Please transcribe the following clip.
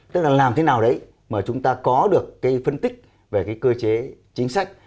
tức là làm thế nào đấy mà chúng ta có được cái phân tích về cái cơ chế chính sách